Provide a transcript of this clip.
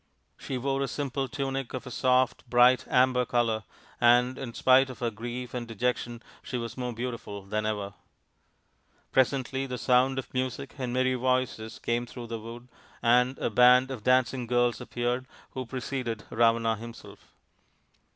She wore a simple tunic of a soft, bright amber colour, and in spite of her grief and dejection she was more beautiful than ever. Presently the sound of music and merry voices came through the wood, and a band of dancing girls appeared who preceded Ravana himself.